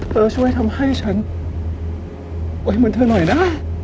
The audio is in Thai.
เธอช่วยทำให้ฉันไว้เหมือนเธอหน่อยนะ